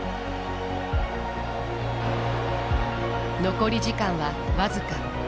残り時間は僅か。